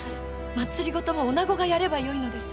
政もおなごがやればよいのです。